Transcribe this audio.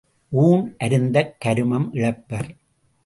ஊண் அருந்தக் கருமம் இழப்பர்.